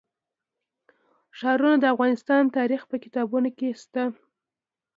ښارونه د افغان تاریخ په کتابونو کې شته.